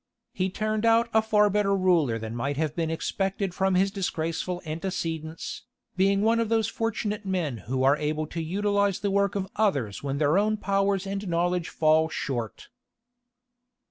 He turned out a far better ruler than might have been expected from his disgraceful antecedents, being one of those fortunate men who are able to utilize the work of others when their own powers and knowledge fall short.